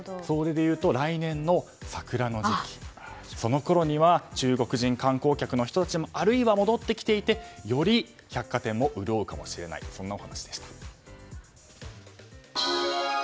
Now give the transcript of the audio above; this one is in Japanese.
来年の桜の時期、そのころには中国人観光客の人たちもあるいは、戻ってきていてより百貨店も潤っているかもということでした。